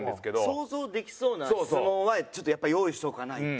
想像できそうな質問はちょっとやっぱり用意しておかないと。